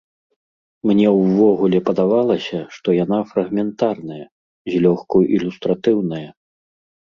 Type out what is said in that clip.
Мне ўвогуле падавалася, што яна фрагментарная, злёгку ілюстратыўная.